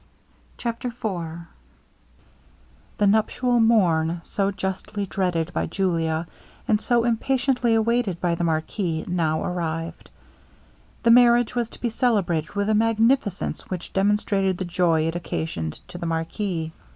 CHAPTER IV The nuptial morn, so justly dreaded by Julia, and so impatiently awaited by the marquis, now arrived. The marriage was to be celebrated with a magnificence which demonstrated the joy it occasioned to the marquis.